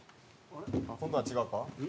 今度は違うか？